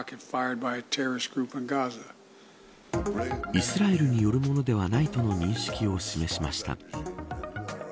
イスラエルによるものではないとの認識を示しました。